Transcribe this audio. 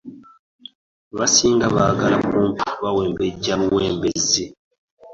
Abasinga baagala kumpi kubawembejja buwembezzi.